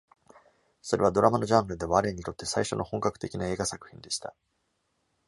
それはドラマのジャンルではアレンにとって最初の本格的な映画作品でした。